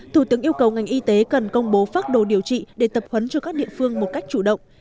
thủ tướng yêu cầu ngành y tế cần công bố phát đồ điều trị để tập huấn cho các địa phương một cách chủ động